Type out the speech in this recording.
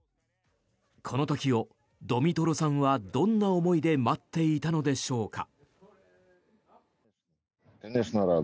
この時をドミトロさんはどんな思いで待っていたのでしょうか。